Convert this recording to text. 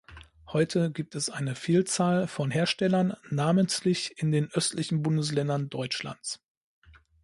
Heute gibt es eine Vielzahl von Herstellern, namentlich in den östlichen Bundesländern Deutschlands.